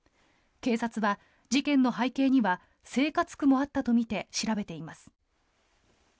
警察は事件の背景には生活苦もあったとみて調べています。